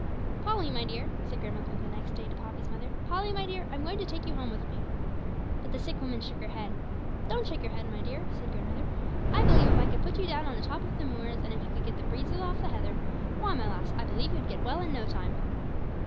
'Polly, my dear,' said grandmother the next day to Poppy's mother, 'Polly, my dear, I'm going to take you home with me.' But the sick woman shook her head. 'Don't shake your head, my dear,' said grandmother; 'I believe if I could put you down on the top of the moors, and if you could get the breezes off the heather, why, my lass, I believe you'd get well in no time!'